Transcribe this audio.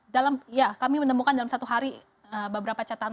dalam ya kami menemukan dalam satu hari beberapa catatan